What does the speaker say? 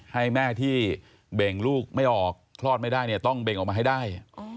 ให้แม่ที่เบ่งลูกไม่ออกคลอดไม่ได้เนี่ยต้องเบ่งออกมาให้ได้